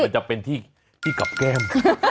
มันจะเป็นที่กลับแก้ม